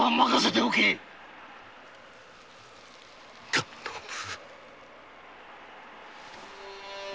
頼む